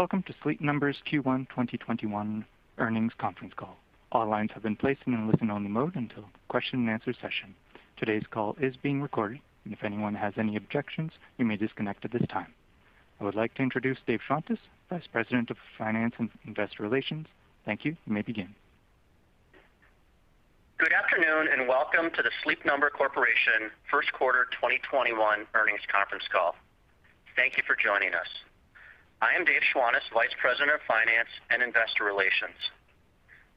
Welcome to Sleep Number's Q1 2021 Earnings Conference Call. All lines have been placed in a listen-only mode until the question and answer session. Today's call is being recorded, and if anyone has any objections, you may disconnect at this time. I would like to introduce Dave Schwantes, Vice President of Finance and Investor Relations. Thank you. You may begin. Good afternoon, and welcome to the Sleep Number Corporation first quarter 2021 earnings conference call. Thank you for joining us. I am Dave Schwantes, Vice President of Finance and Investor Relations.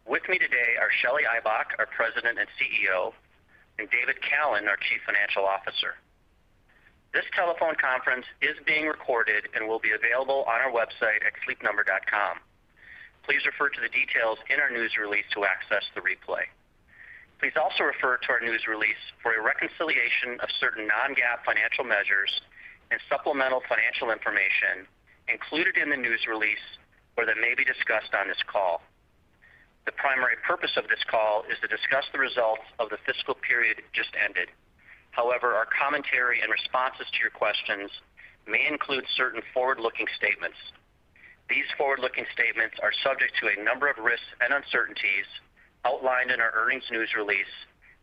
With me today are Shelly Ibach, our President and CEO, and David Callen, our Chief Financial Officer. This telephone conference is being recorded and will be available on our website at sleepnumber.com. Please refer to the details in our news release to access the replay. Please also refer to our news release for a reconciliation of certain non-GAAP financial measures and supplemental financial information included in the news release or that may be discussed on this call. The primary purpose of this call is to discuss the results of the fiscal period just ended. However, our commentary and responses to your questions may include certain forward-looking statements. These forward-looking statements are subject to a number of risks and uncertainties outlined in our earnings news release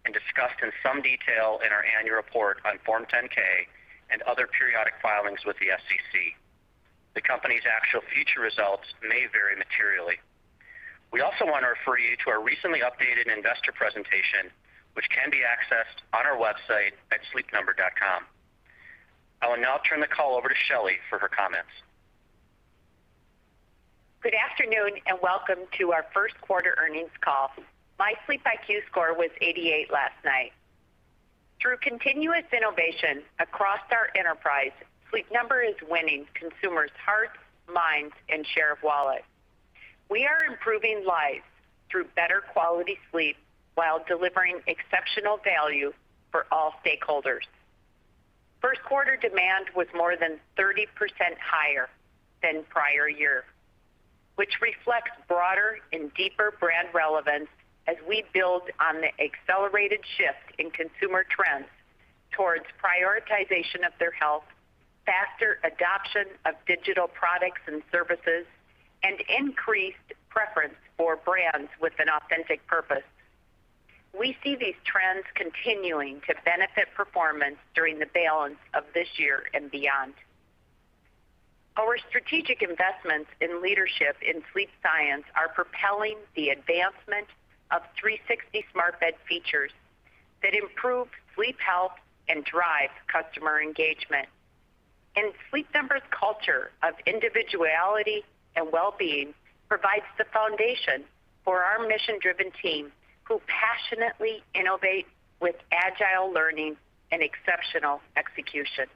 and discussed in some detail in our annual report on Form 10-K and other periodic filings with the SEC. The company's actual future results may vary materially. We also want to refer you to our recently updated investor presentation, which can be accessed on our website at sleepnumber.com. I will now turn the call over to Shelly for her comments. Good afternoon, and welcome to our first quarter earnings call. My SleepIQ score was 88 last night. Through continuous innovation across our enterprise, Sleep Number is winning consumers' hearts, minds, and share of wallet. We are improving lives through better quality sleep while delivering exceptional value for all stakeholders. First quarter demand was more than 30% higher than prior year, which reflects broader and deeper brand relevance as we build on the accelerated shift in consumer trends towards prioritization of their health, faster adoption of digital products and services, and increased preference for brands with an authentic purpose. We see these trends continuing to benefit performance during the balance of this year and beyond. Our strategic investments in leadership in sleep science are propelling the advancement of 360 smart bed features that improve sleep health and drive customer engagement. Sleep Number's culture of individuality and wellbeing provides the foundation for our mission-driven team, who passionately innovate with agile learning and exceptional execution.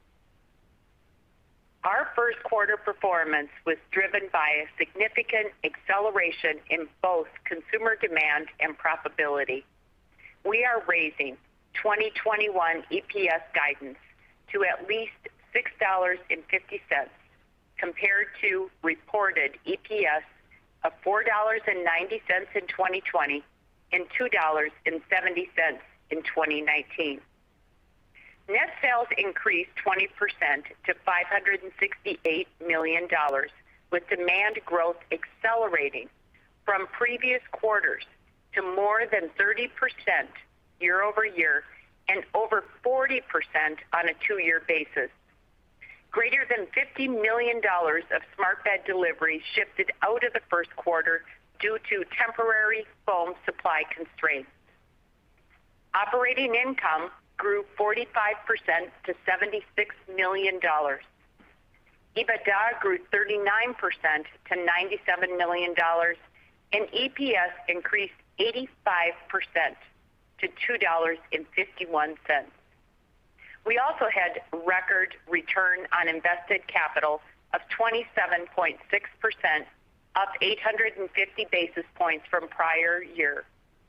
Our first quarter performance was driven by a significant acceleration in both consumer demand and profitability. We are raising 2021 EPS guidance to at least $6.50, compared to reported EPS of $4.90 in 2020 and $2.70 in 2019. Net sales increased 20% to $568 million, with demand growth accelerating from previous quarters to more than 30% year-over-year and over 40% on a two-year basis. Greater than $50 million of smart bed deliveries shifted out of the first quarter due to temporary foam supply constraints. Operating income grew 45% to $76 million. EBITDA grew 39% to $97 million, and EPS increased 85% to $2.51. We also had record return on invested capital of 27.6%, up 850 basis points from prior year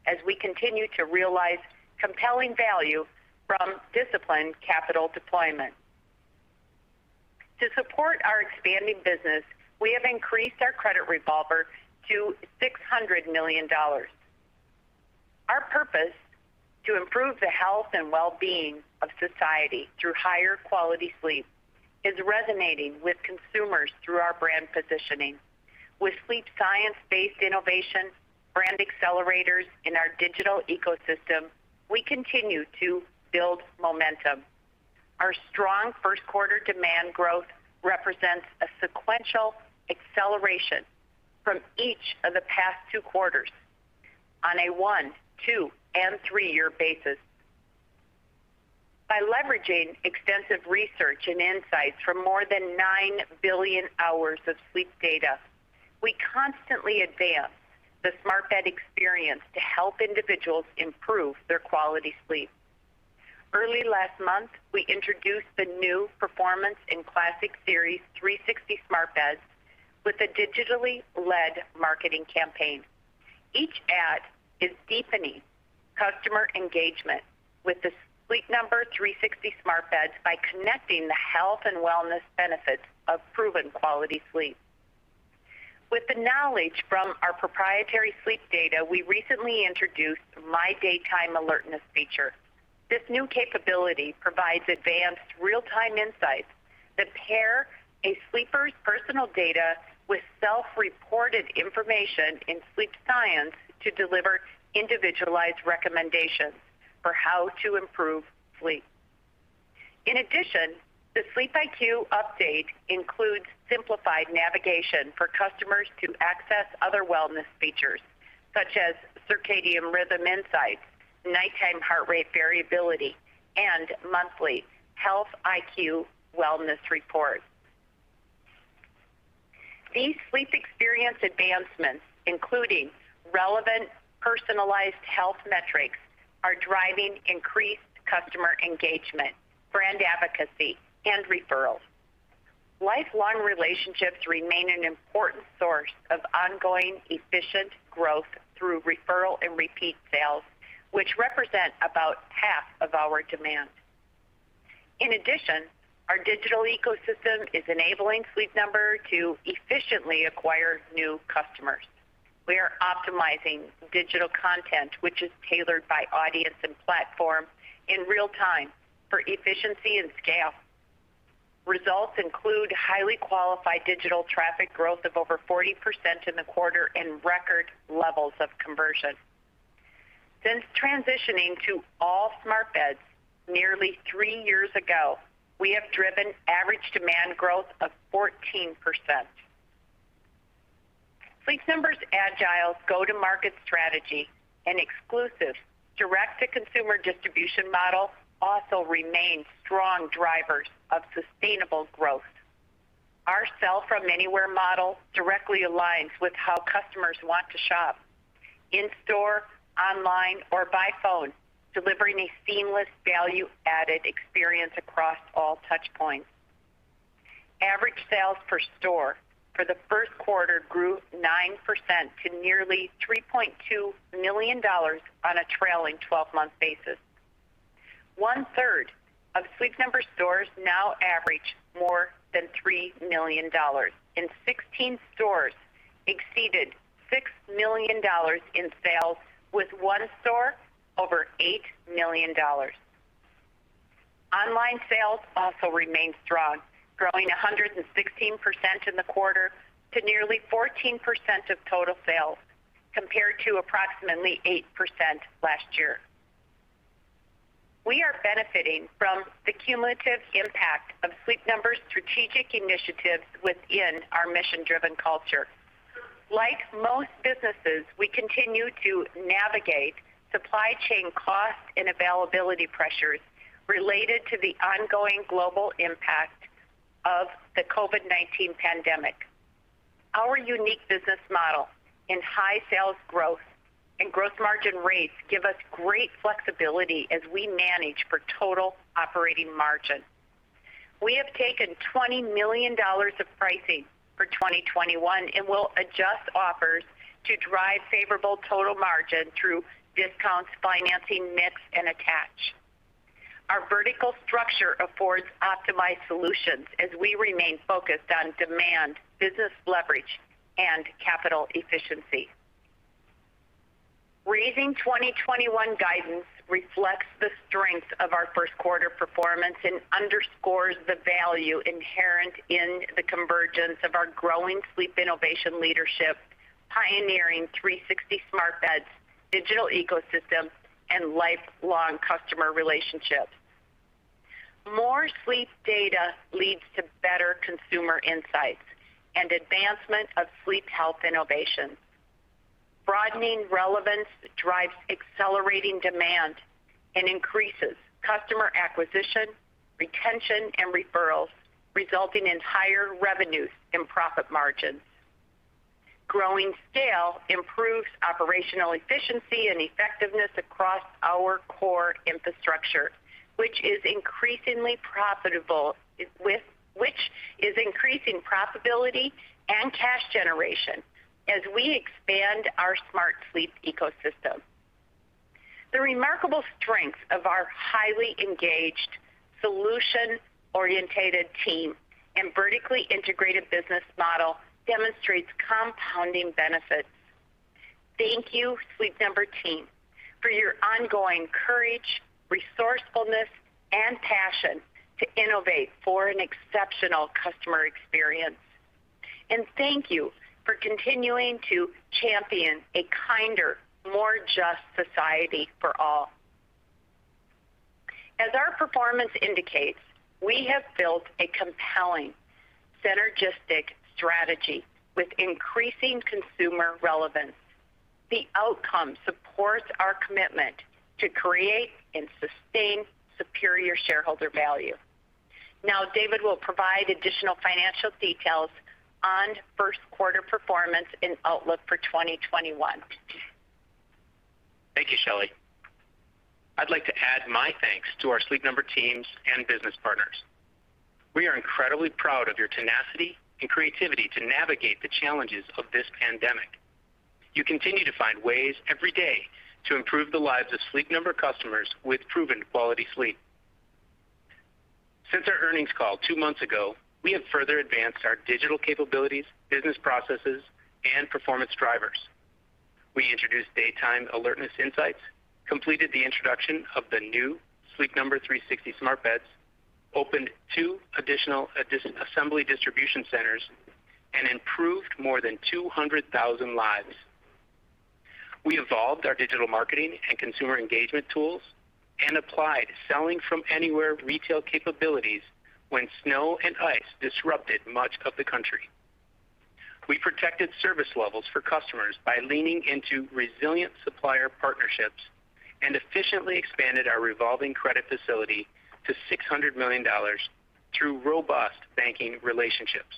as we continue to realize compelling value from disciplined capital deployment. To support our expanding business, we have increased our credit revolver to $600 million. Our purpose to improve the health and wellbeing of society through higher quality sleep is resonating with consumers through our brand positioning. With sleep science-based innovation, brand accelerators in our digital ecosystem, we continue to build momentum. Our strong first quarter demand growth represents a sequential acceleration from each of the past two quarters on a one, two, and three-year basis. By leveraging extensive research and insights from more than nine billion hours of sleep data, we constantly advance the smart bed experience to help individuals improve their quality sleep. Early last month, we introduced the new Performance and Classic Series 360 smart beds with a digitally led marketing campaign. Each ad is deepening customer engagement with the Sleep Number 360 smart beds by connecting the health and wellness benefits of proven quality sleep. With the knowledge from our proprietary sleep data, we recently introduced My Daytime Alertness feature. This new capability provides advanced real-time insights that pair a sleeper's personal data with self-reported information in sleep science to deliver individualized recommendations for how to improve sleep. In addition, the SleepIQ update includes simplified navigation for customers to access other wellness features such as circadian rhythm insights, nighttime heart rate variability, and monthly HealthIQ wellness reports. These sleep experience advancements, including relevant personalized health metrics, are driving increased customer engagement, brand advocacy, and referrals. Lifelong relationships remain an important source of ongoing efficient growth through referral and repeat sales, which represent about half of our demand. In addition, our digital ecosystem is enabling Sleep Number to efficiently acquire new customers. We are optimizing digital content, which is tailored by audience and platform in real time for efficiency and scale. Results include highly qualified digital traffic growth of over 40% in the quarter and record levels of conversion. Since transitioning to all smart beds nearly three years ago, we have driven average demand growth of 14%. Sleep Number's agile go-to-market strategy and exclusive direct-to-consumer distribution model also remain strong drivers of sustainable growth. Our sell-from-anywhere model directly aligns with how customers want to shop, in store, online, or by phone, delivering a seamless value-added experience across all touchpoints. Average sales per store for the first quarter grew 9% to nearly $3.2 million on a trailing 12-month basis. 1/3 of Sleep Number stores now average more than $3 million, and 16 stores exceeded $6 million in sales, with one store over $8 million. Online sales also remain strong, growing 116% in the quarter to nearly 14% of total sales, compared to approximately 8% last year. We are benefiting from the cumulative impact of Sleep Number's strategic initiatives within our mission-driven culture. Like most businesses, we continue to navigate supply chain cost and availability pressures related to the ongoing global impact of the COVID-19 pandemic. Our unique business model and high sales growth and gross margin rates give us great flexibility as we manage for total operating margin. We have taken $20 million of pricing for 2021 and will adjust offers to drive favorable total margin through discounts, financing, mix, and attach. Our vertical structure affords optimized solutions as we remain focused on demand, business leverage, and capital efficiency. Raising 2021 guidance reflects the strength of our first quarter performance and underscores the value inherent in the convergence of our growing sleep innovation leadership, pioneering 360 smart beds, digital ecosystem, and lifelong customer relationships. More sleep data leads to better consumer insights and advancement of sleep health innovations. Broadening relevance drives accelerating demand and increases customer acquisition, retention, and referrals, resulting in higher revenues and profit margins. Growing scale improves operational efficiency and effectiveness across our core infrastructure, which is increasing profitability and cash generation as we expand our smart sleep ecosystem. The remarkable strength of our highly engaged, solution-orientated team and vertically integrated business model demonstrates compounding benefits. Thank you, Sleep Number team, for your ongoing courage, resourcefulness, and passion to innovate for an exceptional customer experience. Thank you for continuing to champion a kinder, more just society for all. As our performance indicates, we have built a compelling, synergistic strategy with increasing consumer relevance. The outcome supports our commitment to create and sustain superior shareholder value. Now, David will provide additional financial details on first quarter performance and outlook for 2021. Thank you, Shelly. I'd like to add my thanks to our Sleep Number teams and business partners. We are incredibly proud of your tenacity and creativity to navigate the challenges of this pandemic. You continue to find ways every day to improve the lives of Sleep Number customers with proven quality sleep. Earnings call two months ago, we have further advanced our digital capabilities, business processes, and performance drivers. We introduced daytime alertness insights, completed the introduction of the new Sleep Number 360 smart bed, opened two additional assembly distribution centers, and improved more than 200,000 lives. We evolved our digital marketing and consumer engagement tools and applied selling from anywhere retail capabilities when snow and ice disrupted much of the country. We protected service levels for customers by leaning into resilient supplier partnerships and efficiently expanded our revolving credit facility to $600 million through robust banking relationships.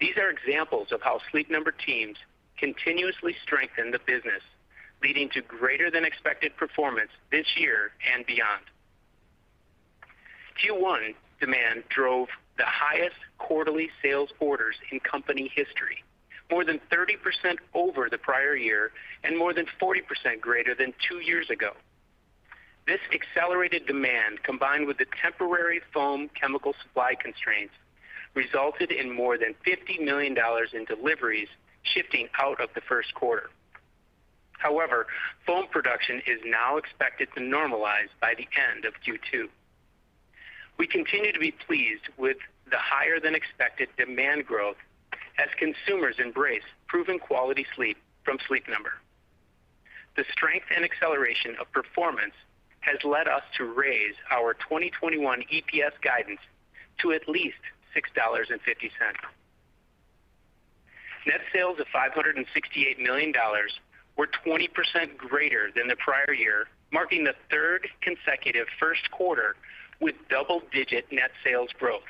These are examples of how Sleep Number teams continuously strengthen the business, leading to greater than expected performance this year and beyond. Q1 demand drove the highest quarterly sales orders in company history, more than 30% over the prior year and more than 40% greater than two years ago. This accelerated demand, combined with the temporary foam chemical supply constraints, resulted in more than $50 million in deliveries shifting out of the first quarter. Foam production is now expected to normalize by the end of Q2. We continue to be pleased with the higher than expected demand growth as consumers embrace proven quality sleep from Sleep Number. The strength and acceleration of performance has led us to raise our 2021 EPS guidance to at least $6.50. Net sales of $568 million were 20% greater than the prior year, marking the third consecutive first quarter with double-digit net sales growth.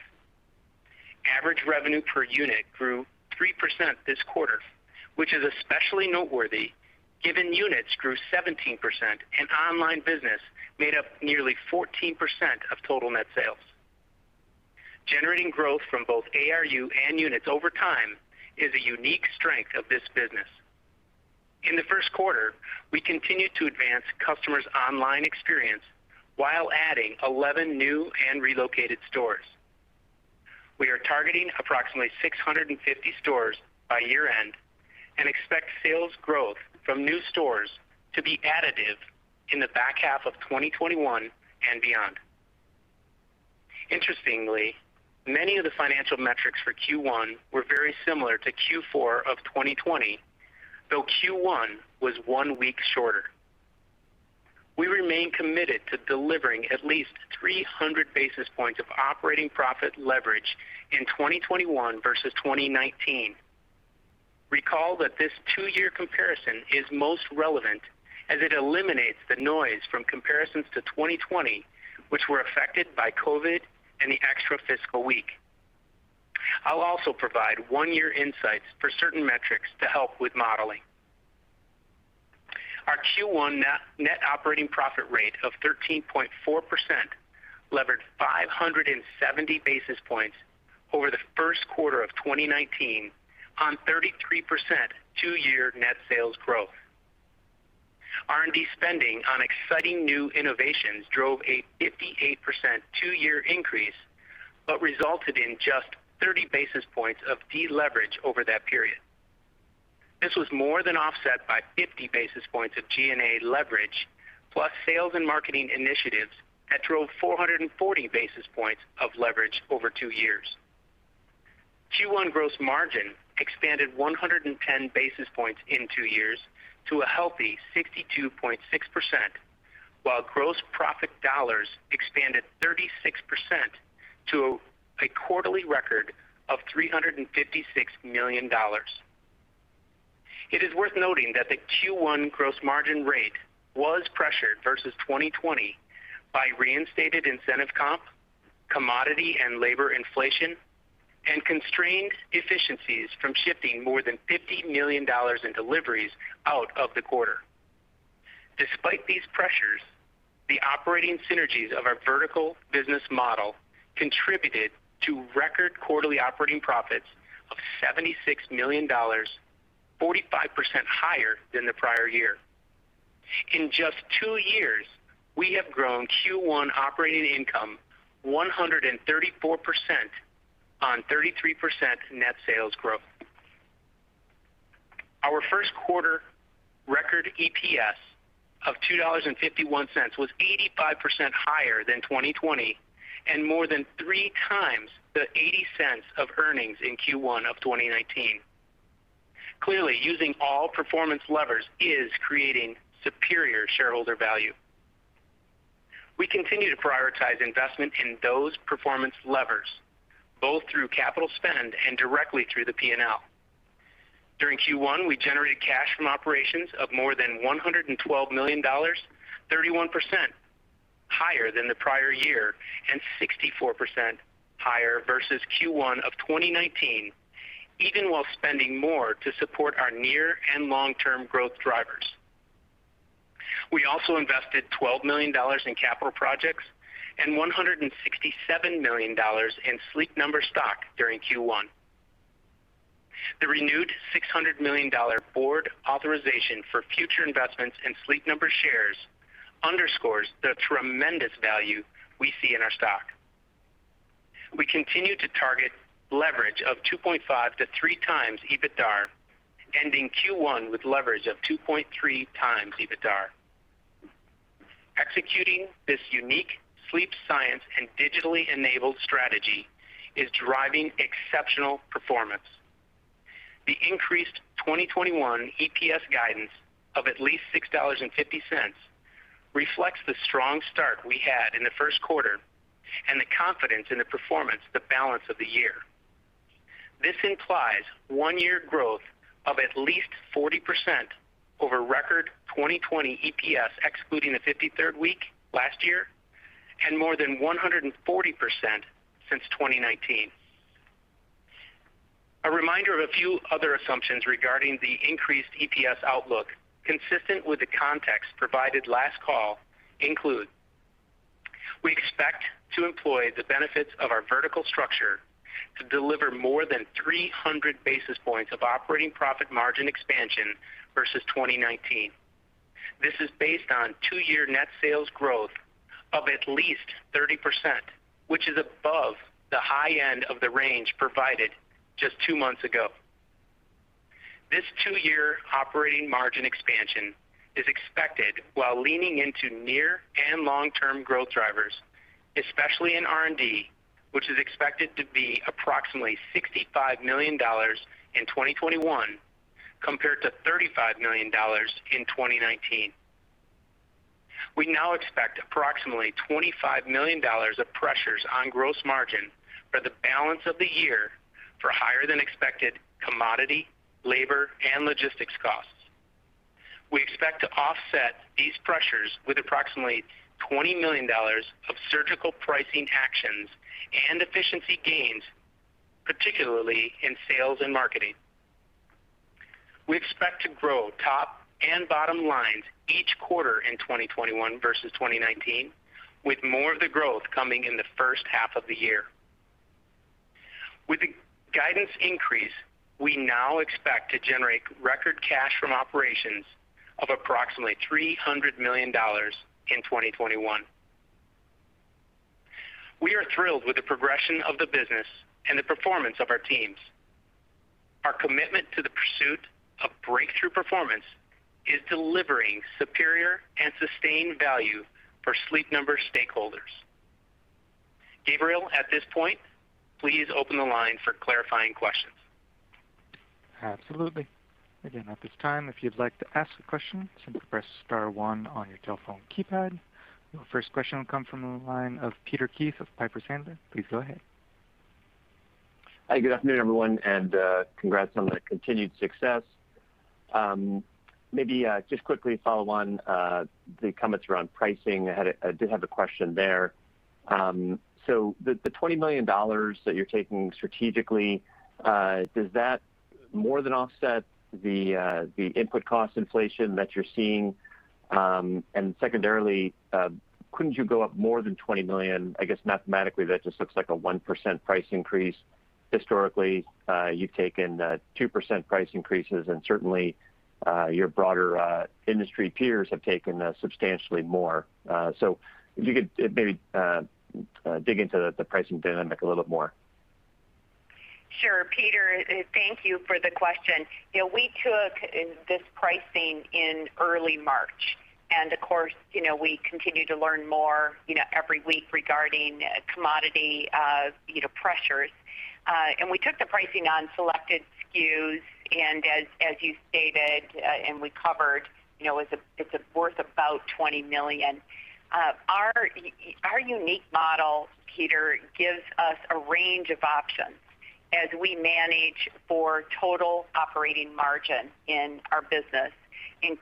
Average revenue per unit grew 3% this quarter, which is especially noteworthy given units grew 17% and online business made up nearly 14% of total net sales. Generating growth from both ARU and units over time is a unique strength of this business. In the first quarter, we continued to advance customers' online experience while adding 11 new and relocated stores. We are targeting approximately 650 stores by year-end and expect sales growth from new stores to be additive in the back half of 2021 and beyond. Interestingly, many of the financial metrics for Q1 were very similar to Q4 of 2020, though Q1 was one week shorter. We remain committed to delivering at least 300 basis points of operating profit leverage in 2021 versus 2019. Recall that this two-year comparison is most relevant as it eliminates the noise from comparisons to 2020, which were affected by COVID and the extra fiscal week. I'll also provide one-year insights for certain metrics to help with modeling. Our Q1 net operating profit rate of 13.4% levered 570 basis points over the first quarter of 2019 on 33% two-year net sales growth. R&D spending on exciting new innovations drove a 58% two-year increase but resulted in just 30 basis points of deleverage over that period. This was more than offset by 50 basis points of G&A leverage, plus sales and marketing initiatives that drove 440 basis points of leverage over two years. Q1 gross margin expanded 110 basis points in two years to a healthy 62.6%, while gross profit dollars expanded 36% to a quarterly record of $356 million. It is worth noting that the Q1 gross margin rate was pressured versus 2020 by reinstated incentive comp, commodity and labor inflation, and constrained efficiencies from shifting more than $50 million in deliveries out of the quarter. Despite these pressures, the operating synergies of our vertical business model contributed to record quarterly operating profits of $76 million, 45% higher than the prior year. In just two years, we have grown Q1 operating income 134% on 33% net sales growth. Our first quarter record EPS of $2.51 was 85% higher than 2020 and more than three times the $0.80 of earnings in Q1 of 2019. Clearly, using all performance levers is creating superior shareholder value. We continue to prioritize investment in those performance levers, both through capital spend and directly through the P&L. During Q1, we generated cash from operations of more than $112 million, 31% higher than the prior year and 64% higher versus Q1 of 2019, even while spending more to support our near and long-term growth drivers. We also invested $12 million in capital projects and $167 million in Sleep Number stock during Q1. The renewed $600 million board authorization for future investments in Sleep Number shares underscores the tremendous value we see in our stock. We continue to target leverage of 2.5x to 3x EBITDA and ending Q1 with leverage of 2.3x EBITDA. Executing this unique sleep science and digitally-enabled strategy is driving exceptional performance. The increased 2021 EPS guidance of at least $6.50 reflects the strong start we had in the first quarter, and the confidence in the performance the balance of the year. This implies one year growth of at least 40% over record 2020 EPS, excluding the 53rd week last year, and more than 140% since 2019. A reminder of a few other assumptions regarding the increased EPS outlook, consistent with the context provided last call include, we expect to employ the benefits of our vertical structure to deliver more than 300 basis points of operating profit margin expansion versus 2019. This is based on two-year net sales growth of at least 30%, which is above the high end of the range provided just two months ago. This 2-year operating margin expansion is expected while leaning into near and long-term growth drivers, especially in R&D, which is expected to be approximately $65 million in 2021 compared to $35 million in 2019. We now expect approximately $25 million of pressures on gross margin for the balance of the year for higher than expected commodity, labor, and logistics costs. We expect to offset these pressures with approximately $20 million of surgical pricing actions and efficiency gains, particularly in sales and marketing. We expect to grow top and bottom lines each quarter in 2021 versus 2019, with more of the growth coming in the first half of the year. With the guidance increase, we now expect to generate record cash from operations of approximately $300 million in 2021. We are thrilled with the progression of the business and the performance of our teams. Our commitment to the pursuit of breakthrough performance is delivering superior and sustained value for Sleep Number stakeholders. Gabriel, at this point, please open the line for clarifying questions. Absolutely. Again, at this time, if you'd like to ask a question, simply press star one on your telephone keypad. Your first question will come from the line of Peter Keith of Piper Sandler. Please go ahead. Hi, good afternoon, everyone, and congrats on the continued success. Maybe just quickly follow on the comments around pricing. I did have a question there. The $20 million that you're taking strategically, does that more than offset the input cost inflation that you're seeing? Secondarily, couldn't you go up more than $20 million? I guess mathematically, that just looks like a 1% price increase. Historically, you've taken 2% price increases, and certainly your broader industry peers have taken substantially more. If you could maybe dig into the pricing dynamic a little bit more. Sure. Peter, thank you for the question. We took this pricing in early March. Of course, we continue to learn more every week regarding commodity pressures. We took the pricing on selected SKUs, and as you stated and we covered, it's worth about $20 million. Our unique model, Peter, gives us a range of options as we manage for total operating margin in our business.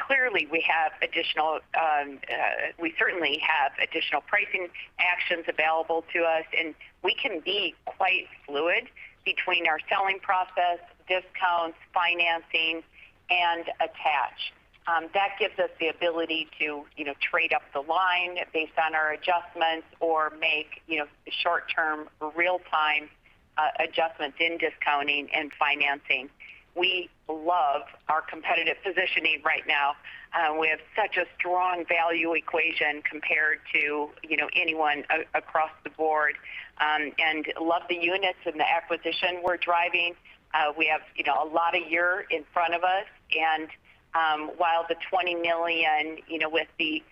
Clearly, we certainly have additional pricing actions available to us, and we can be quite fluid between our selling process, discounts, financing, and attach. That gives us the ability to trade up the line based on our adjustments or make short-term, real-time adjustments in discounting and financing. We love our competitive positioning right now. We have such a strong value equation compared to anyone across the board, and love the units and the acquisition we're driving. We have a lot of year in front of us, and while the $20 million with the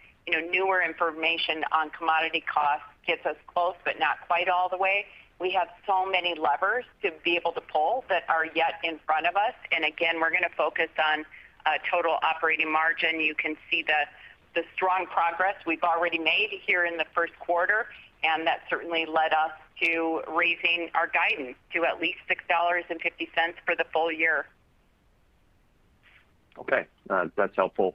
newer information on commodity costs gets us close, but not quite all the way, we have so many levers to be able to pull that are yet in front of us. Again, we're going to focus on total operating margin. You can see the strong progress we've already made here in the first quarter, and that certainly led us to raising our guidance to at least $6.50 for the full year. Okay. That's helpful.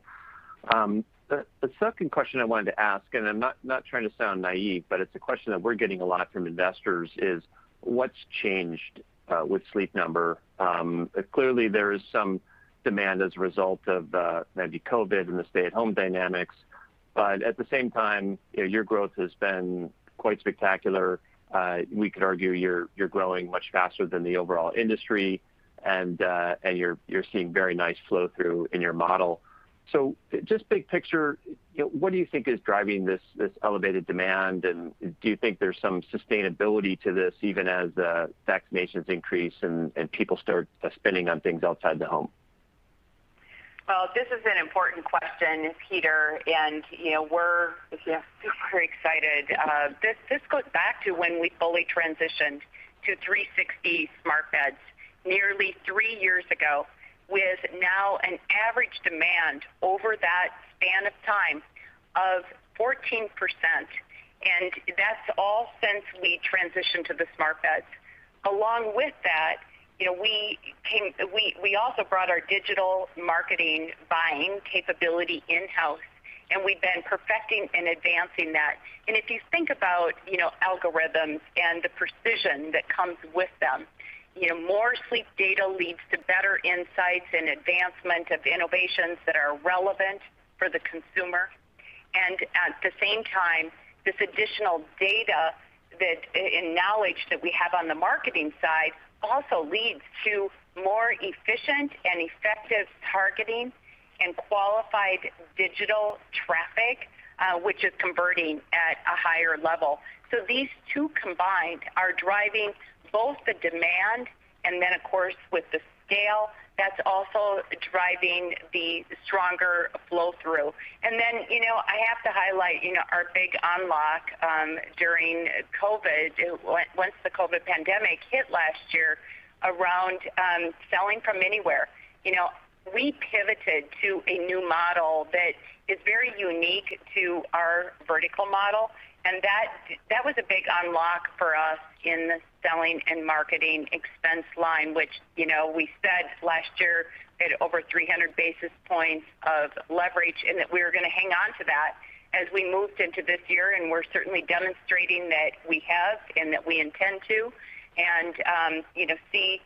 The second question I wanted to ask, and I'm not trying to sound naive, but it's a question that we're getting a lot from investors, is what's changed with Sleep Number? Clearly, there is some demand as a result of maybe COVID and the stay-at-home dynamics. At the same time, your growth has been quite spectacular. We could argue you're growing much faster than the overall industry, and you're seeing very nice flow through in your model. Just big picture, what do you think is driving this elevated demand, and do you think there's some sustainability to this, even as vaccinations increase and people start spending on things outside the home? Well, this is an important question, Peter, and we're super excited. This goes back to when we fully transitioned to 360 smart beds nearly three years ago, with now an average demand over that span of time of 14%, and that's all since we transitioned to the smart beds. Along with that, we also brought our digital marketing buying capability in-house, and we've been perfecting and advancing that. If you think about algorithms and the precision that comes with them, more sleep data leads to better insights and advancement of innovations that are relevant for the consumer. At the same time, this additional data and knowledge that we have on the marketing side also leads to more efficient and effective targeting and qualified digital traffic, which is converting at a higher level. These two combined are driving both the demand, and then of course with the scale, that's also driving the stronger flow through. I have to highlight our big unlock during COVID, once the COVID pandemic hit last year around selling from anywhere. We pivoted to a new model that is very unique to our vertical model, and that was a big unlock for us in the selling and marketing expense line, which we said last year had over 300 basis points of leverage and that we were going to hang on to that as we moved into this year, and we're certainly demonstrating that we have and that we intend to, and see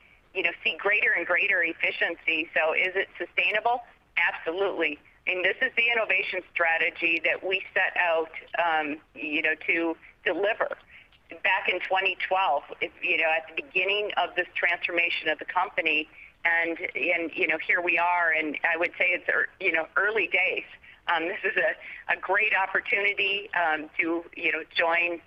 greater and greater efficiency. Is it sustainable? Absolutely. This is the innovation strategy that we set out to deliver back in 2012, at the beginning of this transformation of the company. Here we are, and I would say it's early days. This is a great opportunity to join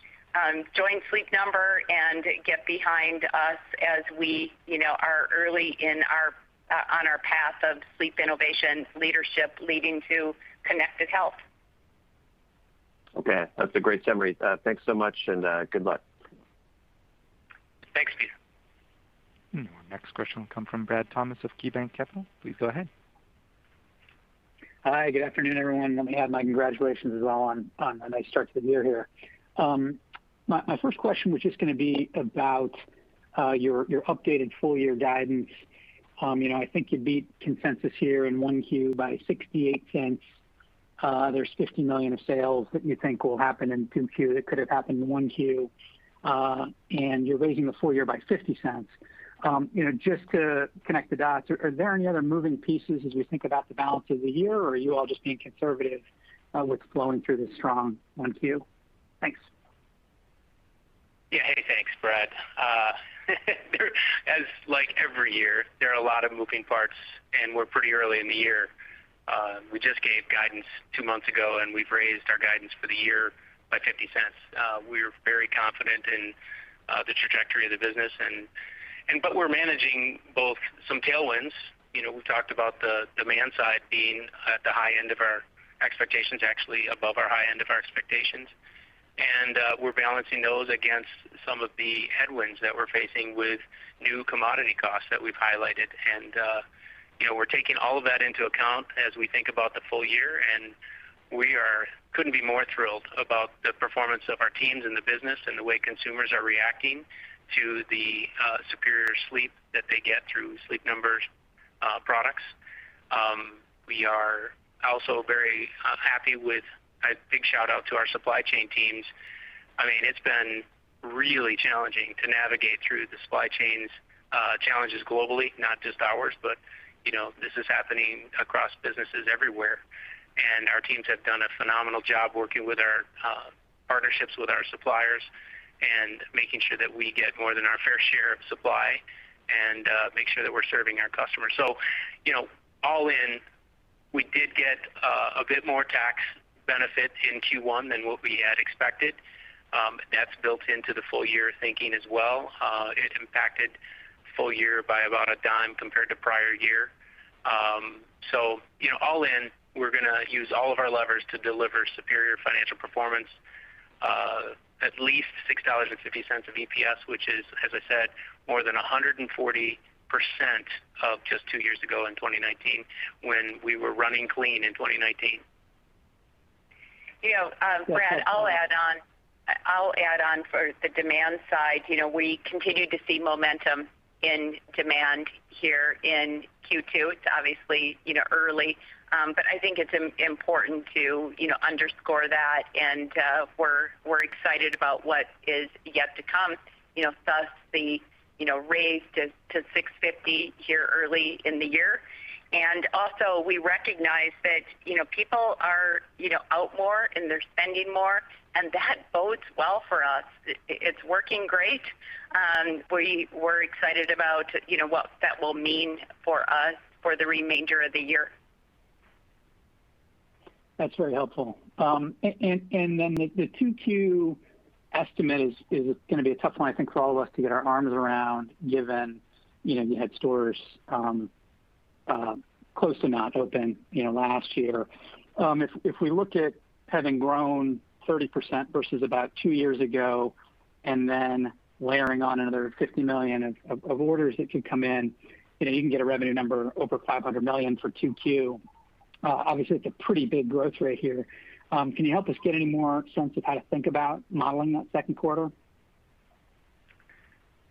Sleep Number and get behind us as we are early on our path of sleep innovation leadership leading to connected health. Okay. That's a great summary. Thanks so much, and good luck. Thanks, Peter. Our next question will come from Brad Thomas of KeyBanc Capital. Please go ahead. Hi, good afternoon, everyone. Let me add my congratulations as well on a nice start to the year here. My first question, which is going to be about your updated full-year guidance. I think you beat consensus here in 1Q by $0.68. There's $50 million of sales that you think will happen in 2Q that could have happened in 1Q, and you're raising the full year by $0.50. Just to connect the dots, are there any other moving pieces as we think about the balance of the year, or are you all just being conservative with flowing through this strong 1Q? Thanks. Yeah. Hey, thanks, Brad. As like every year, there are a lot of moving parts, we're pretty early in the year. We just gave guidance two months ago, we've raised our guidance for the year by $0.50. We're very confident in the trajectory of the business, we're managing both some tailwinds. We've talked about the demand side being at the high end of our expectations, actually above our high end of our expectations. We're balancing those against some of the headwinds that we're facing with new commodity costs that we've highlighted. We're taking all of that into account as we think about the full year, we couldn't be more thrilled about the performance of our teams and the business and the way consumers are reacting to the superior sleep that they get through Sleep Number's products. We are also very happy with, a big shout-out to our supply chain teams. It's been really challenging to navigate through the supply chain's challenges globally, not just ours, but this is happening across businesses everywhere. Our teams have done a phenomenal job working with our partnerships with our suppliers and making sure that we get more than our fair share of supply and make sure that we're serving our customers. All in, we did get a bit more tax benefit in Q1 than what we had expected. That's built into the full year thinking as well. It impacted full year by about $0.10 compared to prior year. All in, we're going to use all of our levers to deliver superior financial performance of at least $6.50 of EPS, which is, as I said, more than 140% of just two years ago in 2019 when we were running clean in 2019. Brad, I'll add on for the demand side. We continue to see momentum in demand here in Q2. It's obviously early, but I think it's important to underscore that, and we're excited about what is yet to come, thus the raise to $6.50 here early in the year. Also, we recognize that people are out more and they're spending more, and that bodes well for us. It's working great. We're excited about what that will mean for us for the remainder of the year. That's very helpful. The 2Q estimate is going to be a tough one, I think, for all of us to get our arms around, given you had stores close to not open last year. If we look at having grown 30% versus about two years ago, and then layering on another $50 million of orders that could come in, you can get a revenue number over $500 million for 2Q. Obviously, it's a pretty big growth rate here. Can you help us get any more sense of how to think about modeling that second quarter?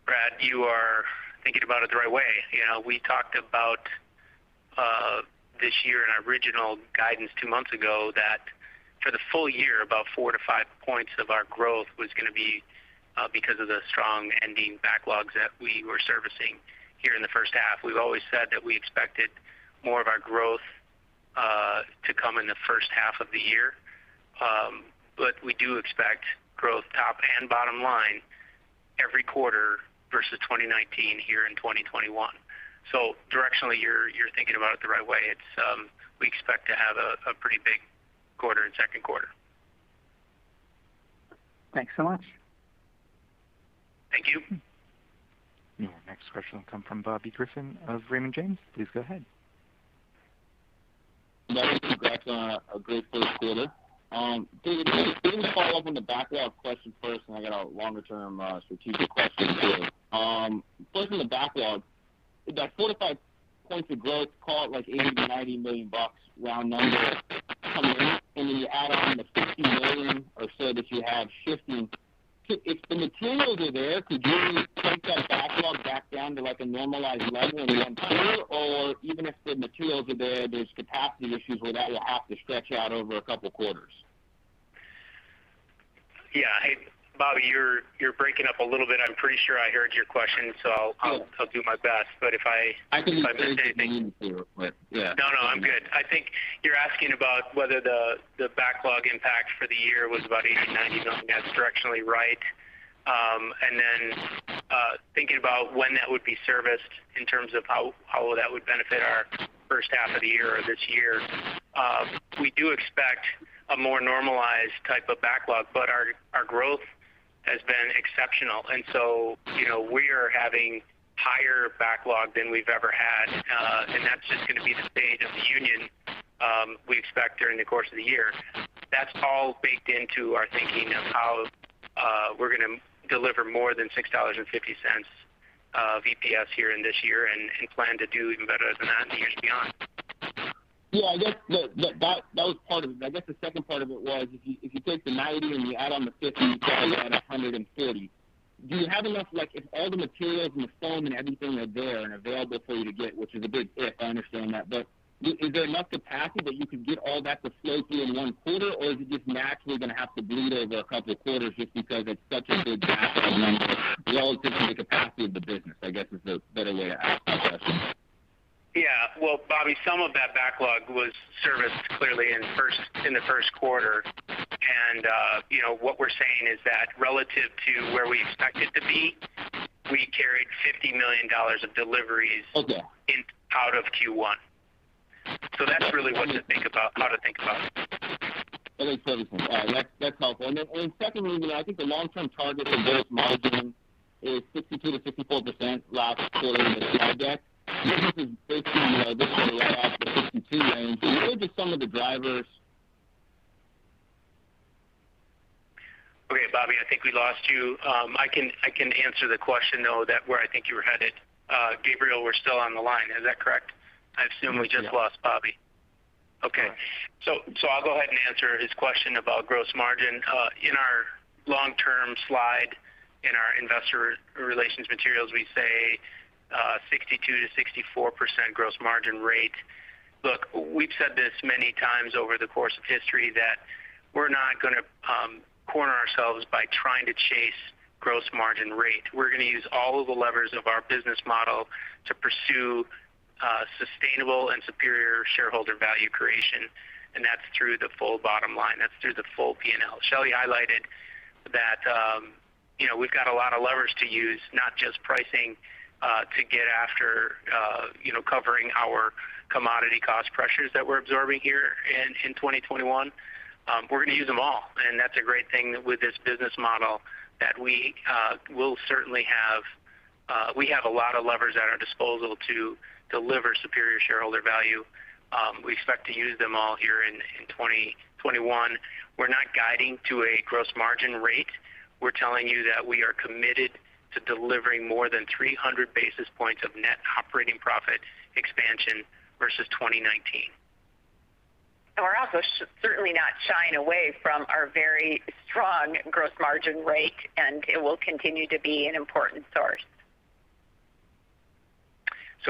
Brad, you are thinking about it the right way. We talked about this year in our original guidance two months ago, that for the full year, about four to five points of our growth was going to be because of the strong ending backlogs that we were servicing here in the first half. We've always said that we expected more of our growth to come in the first half of the year. We do expect growth top and bottom line every quarter versus 2019 here in 2021. Directionally, you're thinking about it the right way. We expect to have a pretty big quarter in second quarter. Thanks so much. Thank you. Next question will come from Bobby Griffin of Raymond James. Please go ahead. Bobby, congrats on a great first quarter. Dave, let me follow up on the backlog question first, and then I got a longer-term strategic question, too. First, on the backlog, that four to five points of growth, call it like $80 million-$90 million, round number, come in, and then you add on the $50 million or so that you have shifting. If the materials are there, could you take that backlog back down to a normalized level in one quarter? Even if the materials are there's capacity issues where that will have to stretch out over a couple of quarters? Yeah. Hey, Bobby, you're breaking up a little bit. I'm pretty sure I heard your question, so I'll do my best. I can repeat it for you. Yeah. No, I'm good. I think you're asking about whether the backlog impact for the year was about $80 million, $90 million. That's directionally right. Thinking about when that would be serviced in terms of how that would benefit our first half of the year or this year. We do expect a more normalized type of backlog. Our growth has been exceptional. We are having higher backlog than we've ever had. That's just going to be the state of the union we expect during the course of the year. That's all baked into our thinking of how we're going to deliver more than $6.50 of EPS here in this year and plan to do even better than that in the years beyond. Yeah, I guess that was part of it. I guess the second part of it was, if you take the 90 and you add on the 50, you get to 140. If all the materials and the foam and everything are there and available for you to get, which is a big if, I understand that, but is there enough capacity that you could get all that to flow through in one quarter? Is it just naturally going to have to bleed over a couple of quarters just because it's such a big backlog number relative to the capacity of the business, I guess is the better way to ask that question. Yeah. Well, Bobby, some of that backlog was serviced clearly in the first quarter. What we're saying is that relative to where we expect it to be, we carried $50 million of deliveries. Okay out of Q1. That's really how to think about it. That makes sense. All right. That's helpful. Secondly, I think the long-term target for gross margin is 62%-64% last quarter in the slide deck. This is breaking right off the 62 range. What are just some of the drivers? Okay. Bobby, I think we lost you. I can answer the question, though, where I think you were headed. Gabriel, we're still on the line. Is that correct? I assume we just lost Bobby. Okay. I'll go ahead and answer his question about gross margin. In our long-term slide in our investor relations materials, we say 62%-64% gross margin rate. Look, we've said this many times over the course of history that we're not going to corner ourselves by trying to chase gross margin rate. We're going to use all of the levers of our business model to pursue sustainable and superior shareholder value creation, and that's through the full bottom line. That's through the full P&L. Shelly highlighted that we've got a lot of levers to use, not just pricing, to get after covering our commodity cost pressures that we're absorbing here in 2021. We're going to use them all. That's a great thing with this business model that we have a lot of levers at our disposal to deliver superior shareholder value. We expect to use them all here in 2021. We're not guiding to a gross margin rate. We're telling you that we are committed to delivering more than 300 basis points of net operating profit expansion versus 2019. We're also certainly not shying away from our very strong gross margin rate, and it will continue to be an important source.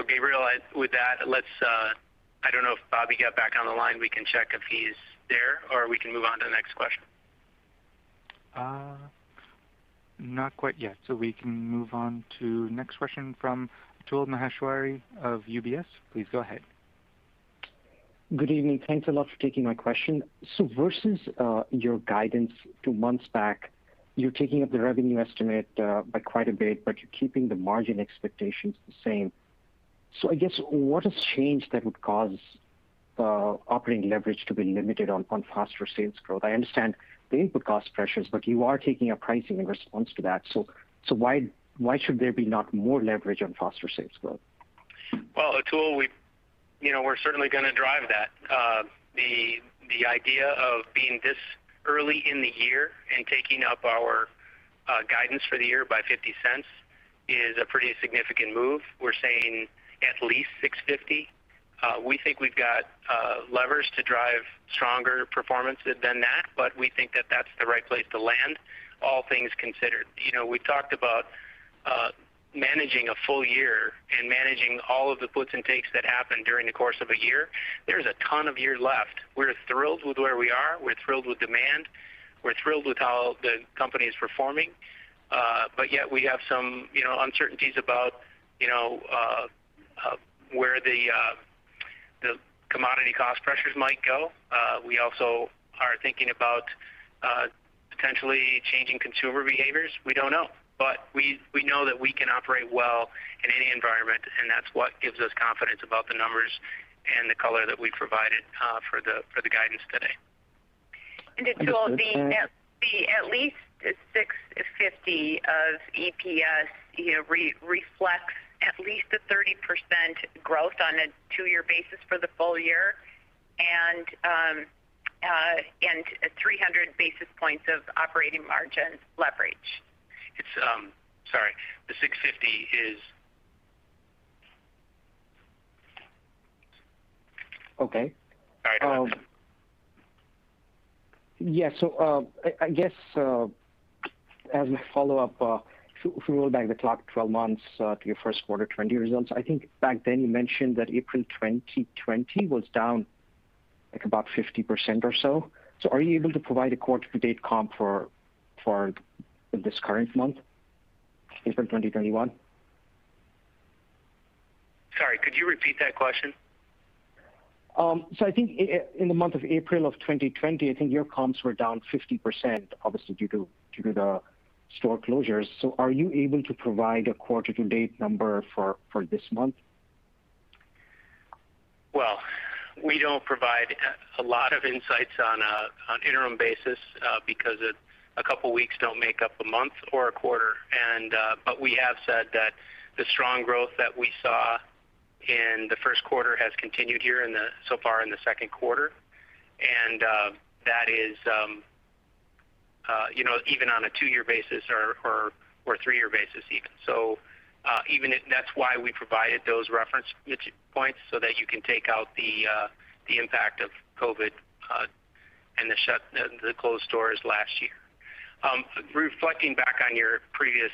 Gabriel, with that, I don't know if Bobby got back on the line. We can check if he's there, or we can move on to the next question. Not quite yet. We can move on to next question from Atul Maheshwari of UBS. Please go ahead. Good evening. Thanks a lot for taking my question. Versus your guidance two months back, you're taking up the revenue estimate by quite a bit, but you're keeping the margin expectations the same. I guess, what has changed that would cause operating leverage to be limited on faster sales growth? I understand the input cost pressures, you are taking a pricing in response to that. Why should there be not more leverage on faster sales growth? Well, Atul, we're certainly going to drive that. The idea of being this early in the year and taking up our guidance for the year by $0.50 is a pretty significant move. We're saying at least $6.50. We think we've got levers to drive stronger performance than that, but we think that that's the right place to land, all things considered. We talked about managing a full year and managing all of the puts and takes that happen during the course of a year. There's a ton of year left. We're thrilled with where we are. We're thrilled with demand. We're thrilled with how the company is performing. Yet we have some uncertainties about where the commodity cost pressures might go. We also are thinking about potentially changing consumer behaviors. We don't know. We know that we can operate well in any environment, and that's what gives us confidence about the numbers and the color that we provided for the guidance today. Atul, the at least $6.50 of EPS reflects at least a 30% growth on a two-year basis for the full year, and at 300 basis points of operating margin leverage. Sorry. The $6.50 is Okay. Sorry, Atul. Yeah. I guess, as a follow-up, if we roll back the clock 12 months to your first quarter 2020 results, I think back then you mentioned that April 2020 was down about 50% or so. Are you able to provide a quarter-to-date comp for this current month, April 2021? Sorry, could you repeat that question? I think in the month of April of 2020, I think your comps were down 50%, obviously due to the store closures. Are you able to provide a quarter to date number for this month? We don't provide a lot of insights on interim basis, because a couple of weeks don't make up a month or a quarter. We have said that the strong growth that we saw in the first quarter has continued here so far in the second quarter. That is even on a two-year basis or three-year basis even. That's why we provided those reference points, so that you can take out the impact of COVID and the closed stores last year. Reflecting back on your previous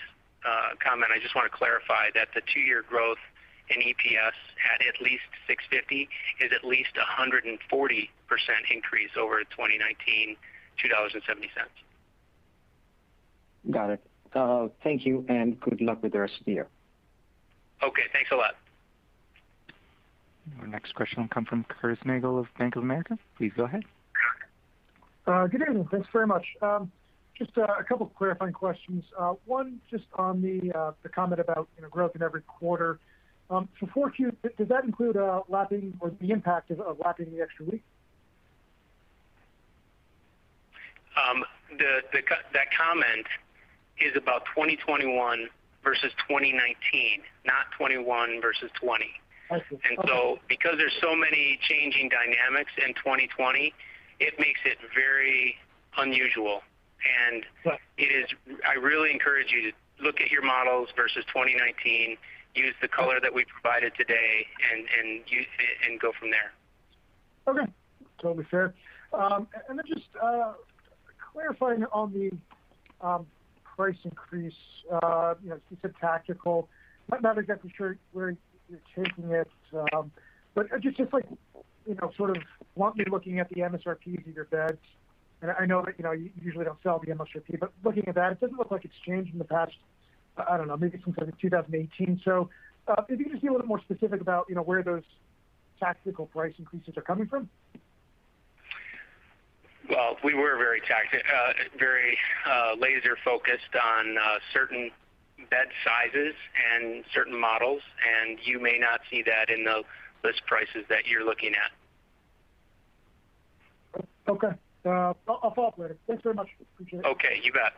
comment, I just want to clarify that the two-year growth in EPS at least $6.50 is at least 140% increase over 2019, $2.70. Got it. Thank you, and good luck with the rest of the year. Okay, thanks a lot. Our next question will come from Curtis Nagle of Bank of America. Please go ahead. Good evening. Thanks very much. Just a couple of clarifying questions. One, just on the comment about growth in every quarter. 4Q, does that include the impact of lapping the extra week? That comment is about 2021 versus 2019, not 2021 versus 2020. I see. Because there's so many changing dynamics in 2020, it makes it very unusual. Right. I really encourage you to look at your models versus 2019, use the color that we provided today, and go from there. Okay. Totally fair. Just clarifying on the price increase. You said tactical. I'm not exactly sure where you're taking it. Just want me looking at the MSRPs of your beds, and I know you usually don't sell the MSRP, looking at that, it doesn't look like it's changed in the past, I don't know, maybe since like 2018. If you could just be a little more specific about where those tactical price increases are coming from. Well, we were very laser focused on certain bed sizes and certain models, and you may not see that in the list prices that you're looking at. Okay. I'll follow up later. Thanks very much. Appreciate it. Okay, you bet.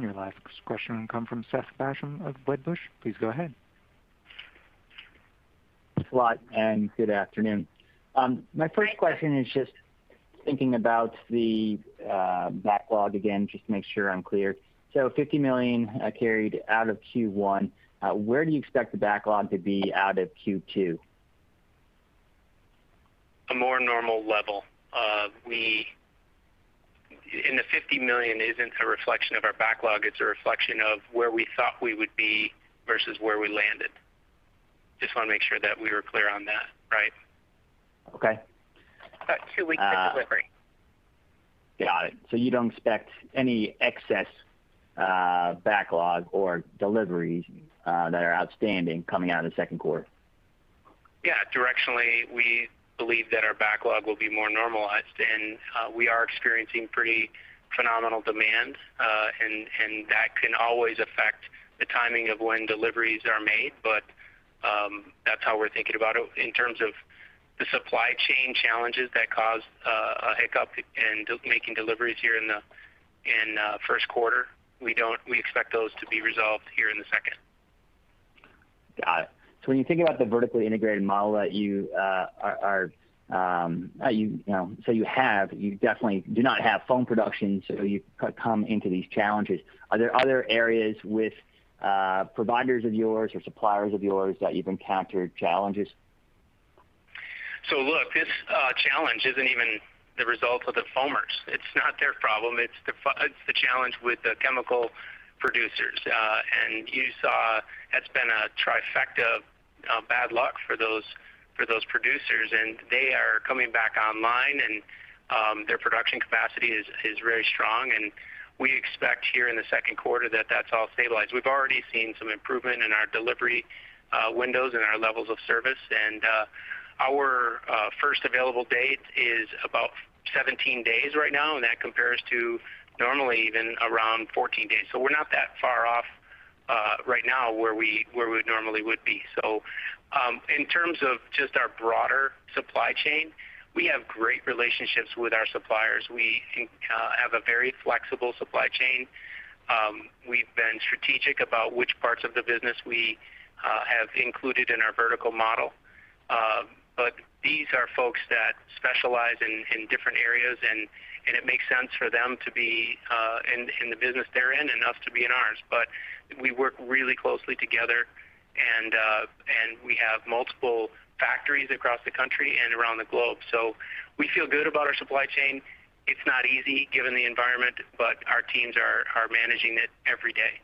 Your last question will come from Seth Basham of Wedbush. Please go ahead. Thanks a lot, good afternoon. My first question is just thinking about the backlog again, just to make sure I'm clear. $50 million carried out of Q1. Where do you expect the backlog to be out of Q2? A more normal level. The $50 million isn't a reflection of our backlog, it's a reflection of where we thought we would be versus where we landed. Just want to make sure that we were clear on that, right? Okay. About two weeks of delivery. Got it. You don't expect any excess backlog or deliveries that are outstanding coming out of the second quarter? Yeah. Directionally, we believe that our backlog will be more normalized, and we are experiencing pretty phenomenal demand, and that can always affect the timing of when deliveries are made. That's how we're thinking about it. In terms of the supply chain challenges that caused a hiccup in making deliveries here in first quarter, we expect those to be resolved here in the second. Got it. When you think about the vertically integrated model that you have, you definitely do not have foam production, so you come into these challenges. Are there other areas with providers of yours or suppliers of yours that you've encountered challenges? Look, this challenge isn't even the result of the foamers. It's not their problem. It's the challenge with the chemical producers. You saw it's been a trifecta of bad luck for those producers, and they are coming back online, and their production capacity is very strong, and we expect here in the second quarter that that's all stabilized. We've already seen some improvement in our delivery windows and our levels of service. Our first available date is about 17 days right now, and that compares to normally even around 14 days. We're not that far off right now where we normally would be. In terms of just our broader supply chain, we have great relationships with our suppliers. We have a very flexible supply chain. We've been strategic about which parts of the business we have included in our vertical model. These are folks that specialize in different areas and it makes sense for them to be in the business they're in and us to be in ours. We work really closely together and we have multiple factories across the country and around the globe. We feel good about our supply chain. It's not easy given the environment, but our teams are managing it every day.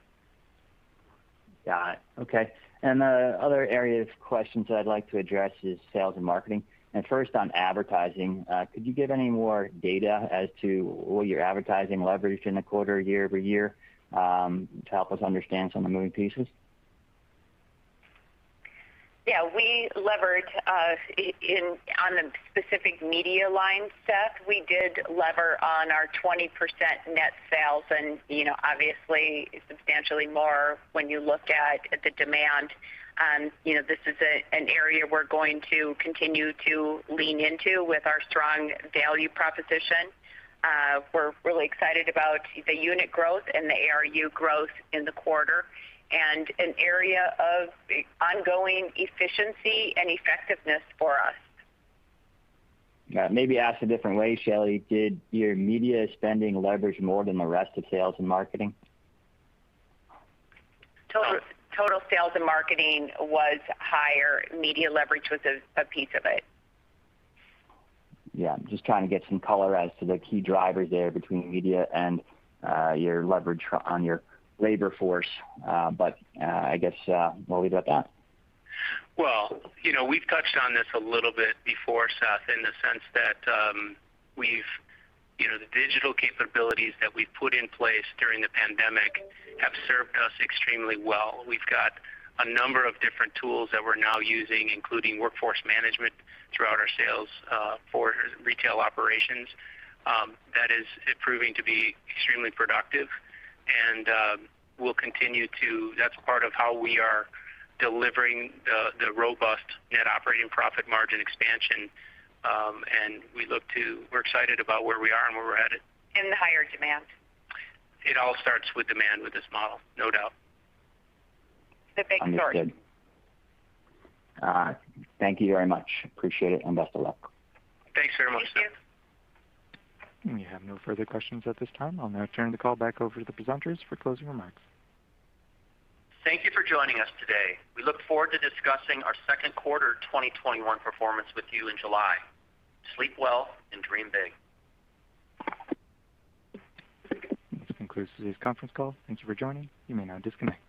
Got it. Okay. The other area of questions I'd like to address is sales and marketing. First on advertising, could you give any more data as to what your advertising leverage in the quarter year-over-year, to help us understand some of the moving pieces? Yeah. On the specific media line, Seth, we did lever on our 20% net sales and obviously substantially more when you look at the demand. This is an area we're going to continue to lean into with our strong value proposition. We're really excited about the unit growth and the ARU growth in the quarter and an area of ongoing efficiency and effectiveness for us. Got it. Maybe asked a different way, Shelly, did your media spending leverage more than the rest of sales and marketing? Total sales and marketing was higher. Media leverage was a piece of it. Yeah. Just trying to get some color as to the key drivers there between media and your leverage on your labor force. I guess, Well, we've touched on this a little bit before, Seth, in the sense that the digital capabilities that we've put in place during the pandemic have served us extremely well. We've got a number of different tools that we're now using, including workforce management throughout our sales for retail operations. That is proving to be extremely productive and that's part of how we are delivering the robust net operating profit margin expansion. We're excited about where we are and where we're headed. The higher demand. It all starts with demand with this model, no doubt. The big story. Understood. All right. Thank you very much. Appreciate it, and best of luck. Thanks very much, Seth. Thank you. We have no further questions at this time. I'll now turn the call back over to the presenters for closing remarks. Thank you for joining us today. We look forward to discussing our second quarter 2021 performance with you in July. Sleep well and dream big. This concludes today's conference call. Thank you for joining. You may now disconnect.